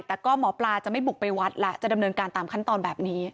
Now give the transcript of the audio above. แต่ก็หมอปลาจะไม่บุกไปวัดละจะดำเนินการตามขั้นตอนแบบนี้